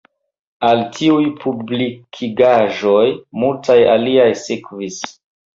Al tiuj publikigaĵoj multaj aliaj sekvis.